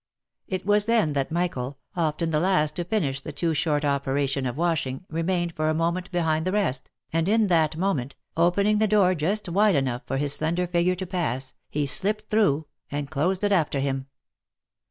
It was then that Michael, often the last to finish the too short operation of washing, remained for a moment behind the rest, and in that moment, opening the door just wide enough for his slender figure to pass, he slipped through, and closed it after him.